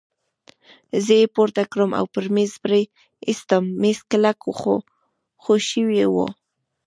زه يې پورته کړم او پر مېز پرې ایستم، مېز کلک خو ښوی وو.